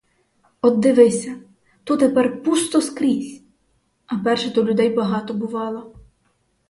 От дивися, — ту тепер пусто скрізь, — а перше ту людей багато бувало.